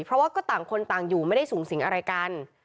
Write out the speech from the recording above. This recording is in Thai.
เพราะว่าก็ต่างคนต่างอยู่ไม่ได้สูงสิงอะไรกัน